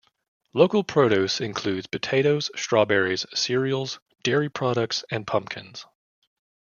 Local produce includes potatoes, strawberries, cereals, dairy products and pumpkins.